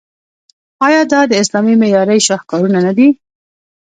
آیا دا د اسلامي معمارۍ شاهکارونه نه دي؟